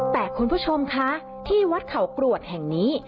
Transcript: แต่คุณผู้ชมคะที่วัดเขากรวดแห่งนี้